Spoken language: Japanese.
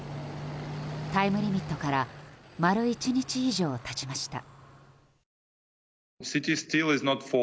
タイムリミットから丸１日以上経ちました。